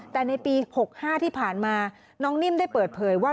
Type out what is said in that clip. แต่ในปี๖๕ที่ผ่านมาน้องนิ่มได้เปิดเผยว่า